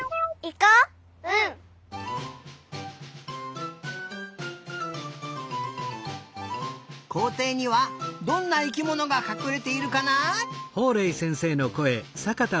こうていにはどんな生きものがかくれているかな？